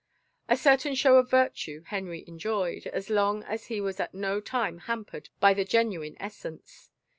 A certain show of virtue Henry enjoyed, as long as he was at no time hampered by the genuine essence.